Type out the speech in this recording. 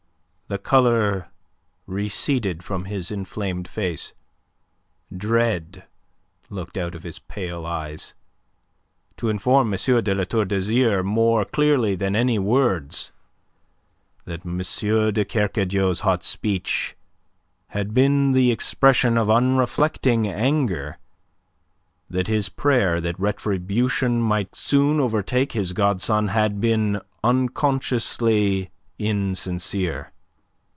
The colour receded from his inflamed face; dread looked out of his pale eyes, to inform M. de La Tour d'Azyr, more clearly than any words, that M. de Kercadiou's hot speech had been the expression of unreflecting anger, that his prayer that retribution might soon overtake his godson had been unconsciously insincere.